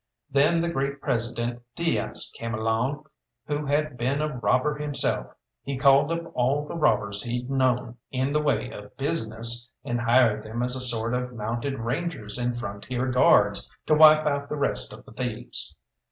Then the great President Diaz came along, who had been a robber himself. He called up all the robbers he'd known in the way of business, and hired them as a sort of Mounted Rangers and Frontier Guards to wipe out the rest of the thieves.